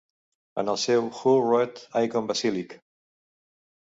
En el seu Who wrote Ikon Basilike?